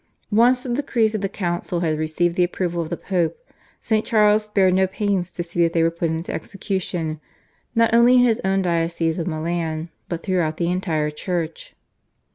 Once the decrees of the Council had received the approval of the Pope St. Charles spared no pains to see that they were put into execution not only in his own diocese of Milan but throughout the entire Church.